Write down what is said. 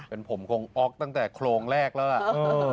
เป็นผมคงออกตั้งแต่โครงแรกแล้วล่ะ